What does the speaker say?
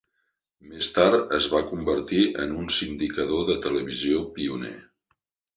Més tard es va convertir en un sindicador de televisió pioner.